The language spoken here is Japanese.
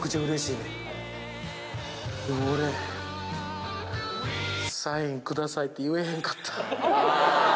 でも俺、サインくださいって言えへんかった。